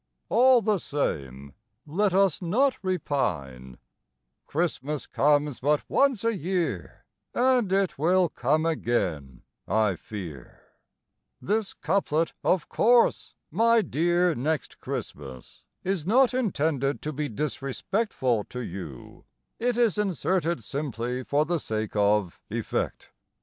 All the same, Let us not repine: Christmas comes but once a year, And it will come again, I fear. This couplet, of course. My dear Next Christmas, Is not intended to be Disrespectful to you; It is inserted simply For the sake of effect.